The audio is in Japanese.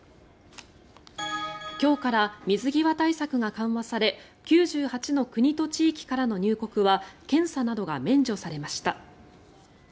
今日から水際対策が緩和され９８の国と地域からの入国は検査などが免除されました。